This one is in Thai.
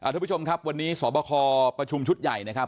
ทุกผู้ชมครับวันนี้สอบคอประชุมชุดใหญ่นะครับ